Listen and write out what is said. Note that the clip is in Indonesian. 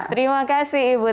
terima kasih ibu